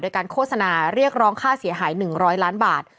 โดยการโฆษณาเรียกร้องค่าเสียหาย๑๐๐ล้านบาท